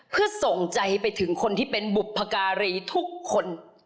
เพื่อส่งใจไปถึงคนที่เป็นบุพการีทุกคน